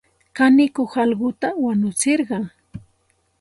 Kanikuq allquta wanutsirqan.